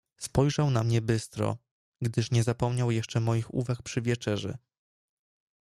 "Spojrzał na mnie bystro, gdyż nie zapomniał jeszcze moich uwag przy wieczerzy."